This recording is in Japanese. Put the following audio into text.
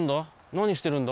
なにしてるんだ？